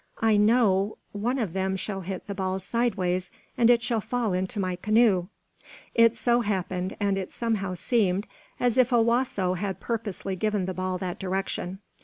I know one of them shall hit the ball sideways and it shall fall into my canoe." It so happened, and it somehow seemed as if Owasso had purposely given the ball that direction.